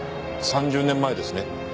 ３０年前ですね？